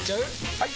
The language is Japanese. ・はい！